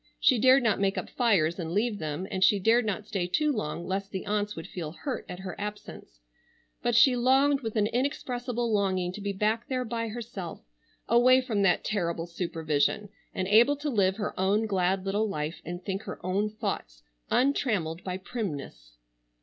She dared not make up fires and leave them, and she dared not stay too long lest the aunts would feel hurt at her absence, but she longed with an inexpressible longing to be back there by herself, away from that terrible supervision and able to live her own glad little life and think her own thoughts untrammeled by primness.